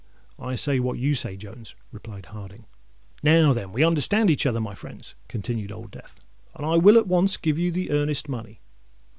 "I say what you say, Jones," replied Harding. "Now then we understand each other, my friends," continued Old Death; "and I will at once give you the earnest money."